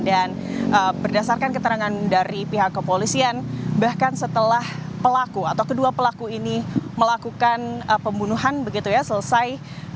dan berdasarkan keterangan dari pihak kepolisian bahkan setelah pelaku atau kedua pelaku ini melakukan pembunuhan begitu ya selesai